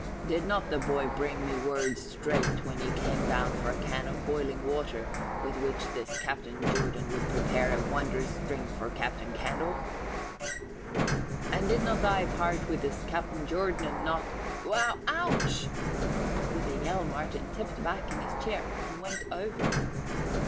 "Did not the boy bring me word straight when he came down for a can of boiling water with which this Captain Jordan would prepare a wondrous drink for Captain Candle?" "And did not I part with this Captain Jordan not Wow ouch!" With a yell Martin tipped back in his chair and went over.